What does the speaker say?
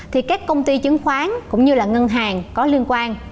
thì các công ty chứng khoán cũng như là ngân hàng có liên quan